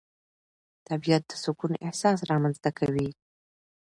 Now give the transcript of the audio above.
طبیعت د سکون احساس رامنځته کوي